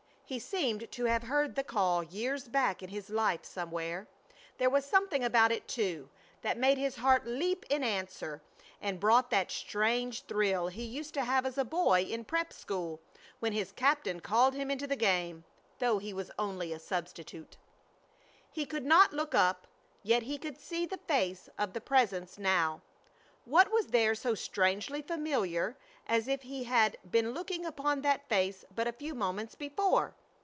He seemed to have heard the call years back in his life somewhere. There was something about it, too, that made his heart leap in answer, and brought that strange thrill he used to have as a boy in prep. school, when his captain called him into the game, though he was only a substitute. He could not look up, yet he could see the face of the Presence now. What was there so strangely familiar, as if he had been looking upon that face but a few moments before?